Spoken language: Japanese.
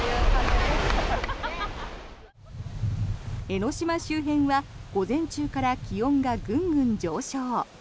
江の島周辺は午前中から気温がぐんぐん上昇。